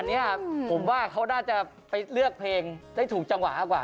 อันนี้ผมว่าเขาน่าจะไปเลือกเพลงได้ถูกจังหวะกว่า